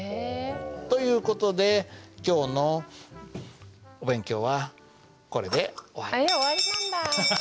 という事で今日のお勉強はこれで終わります。